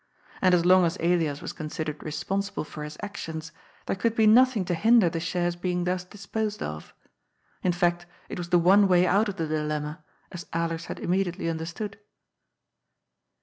And as long as Elias was considered responsible for his actions, there could be nothing to hinder the shares being thus disposed of. In fact, it was the one way out of the dilemma, as Alers had immediately understood.